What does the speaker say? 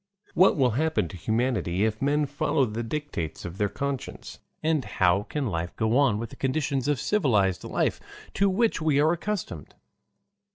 What will Happen to Humanity if Men Follow the Dictates of their Conscience, and how can Life go on with the Conditions of Civilized Life to which we are Accustomed?